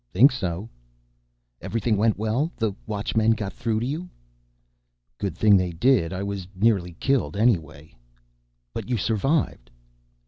"Think so—" "Everything went well? The Watchmen got through to you?" "Good thing they did. I was nearly killed anyway." "But you survived."